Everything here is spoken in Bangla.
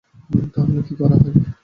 তাহলে কী করা হয়?